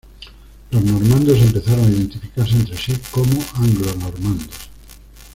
Los normandos empezaron a identificarse entre sí como "anglonormandos".